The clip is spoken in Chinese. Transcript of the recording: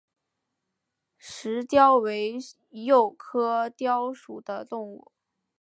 石貂为鼬科貂属的动物。